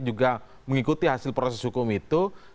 apakah proses hukum itu harus diikuti dulu